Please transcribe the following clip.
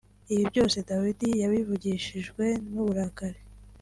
Ibi byose Dawidi yabivugishijwe n’uburakari